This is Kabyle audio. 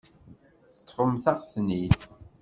Teṭṭfemt-aɣ-ten-id.